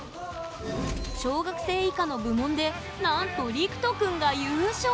小学生以下の部門でなんとりくとくんが優勝！